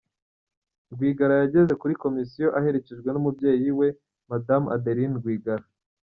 Rwigara yageze kuri Komisiyo aherekejwe n'umubyeyi we, Madamu Adeline Rwigara.